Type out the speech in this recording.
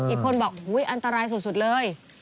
อีกคนบอกอันตรายสุดเลย